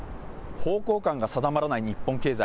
方向感が定まらない日本経済。